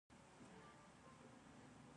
څه وخت دی؟